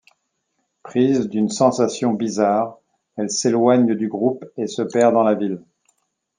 Prise d'une sensation bizarre, elle s'éloigne du groupe et se perd dans la ville.